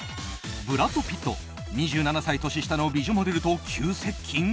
ブラッド・ピット２７歳年下の美女モデルと急接近？